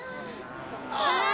ああ。